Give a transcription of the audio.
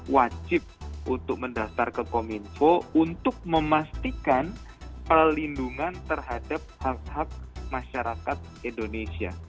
wajib untuk mendaftar ke kominfo untuk memastikan perlindungan terhadap hak hak masyarakat indonesia